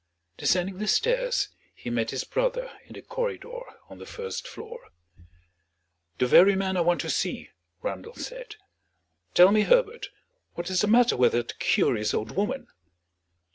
Descending the stairs, he met his brother in the corridor on the first floor. "The very man I want to see," Randal said. "Tell me, Herbert, what is the matter with that curious old woman?"